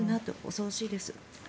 恐ろしいです。